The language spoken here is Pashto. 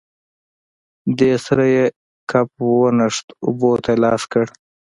دې سره یې کپ ونښت، اوبو ته یې لاس کړ.